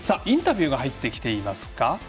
インタビューが入ってきています。